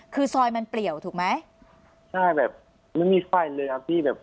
คือซอยมันเปลี่ยวถูกไหมใช่แบบไม่มีไฟเลยครับพี่แบบ